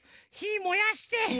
ひもやして。